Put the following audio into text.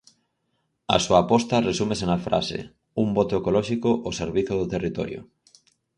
A súa aposta resúmese na frase: "un voto ecolóxico ao servizo do territorio".